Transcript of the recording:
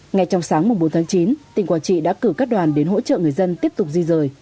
ngay trong sáng bốn tháng chín tỉnh quảng trị đã cử các đoàn đến hỗ trợ người dân tiếp tục di rời